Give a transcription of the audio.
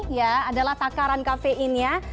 ini adalah takaran kafeinnya